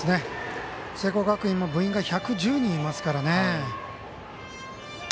聖光学院も部員が１１０人いますからね。